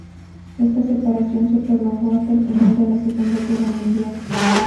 Esta separación se prolongó hasta el final de la Segunda Guerra Mundial.